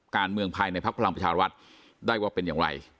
การเมืองภายในภักดิ์พลังประชารัฐได้ว่าเป็นอย่างไร